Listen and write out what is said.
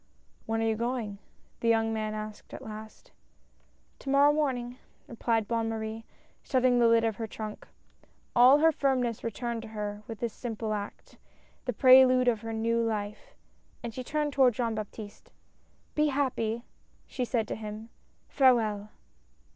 "When are you going?" the young man asked at last. "To morrow morning," replied Bonne Marie, shut ting the lid of her trunk. All her firmness returned to her with this simple act, the prelude of her new life, and she turned toward Jean Baptiste. " Be happy !" she said to him. Farewell